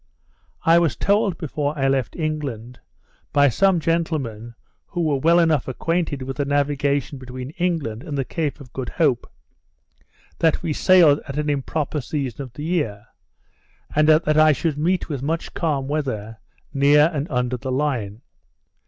I was told before I left England, by some gentlemen who were well enough acquainted with the navigation between England and the Cape of Good Hope, that I sailed at an improper season of the year; and that I should meet with much calm weather, near and under the Line.